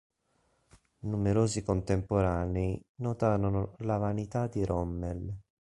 Numerosi contemporanei notarono la vanità di Rommel.